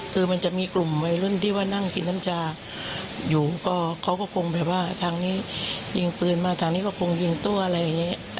คือมันจะมีกลุ่มวัยรุ่นที่ว่านั่งกินน้ำชาอยู่ก็เขาก็คงแบบว่าทางนี้ยิงปืนมาทางนี้ก็คงยิงตัวอะไรอย่างนี้